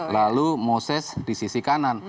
lalu moses di sisi kanan